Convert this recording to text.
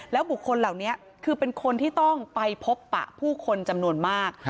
บุคคลเหล่านี้คือเป็นคนที่ต้องไปพบปะผู้คนจำนวนมาก